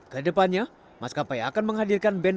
ke depannya mas kapai akan menghadirkan band